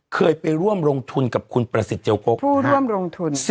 เคยไปร่วมลงทุนกับคุณประสิทธิเจลกกผู้ร่วมลงทุน